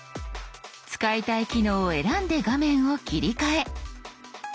使いたい機能を選んで画面を切り替え。